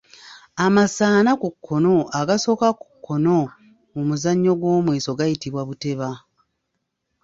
Amasa ana ku kkono agasooka ku kkono mu muzannyo gw’omweso gayitibwa buteba.